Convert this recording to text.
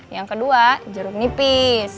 yang kedua jeruk nipis